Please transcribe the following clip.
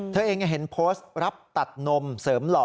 เธอเองเห็นโพสต์รับตัดนมเสริมหล่อ